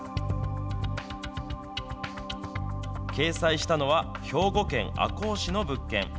掲載したのは兵庫県赤穂市の物件。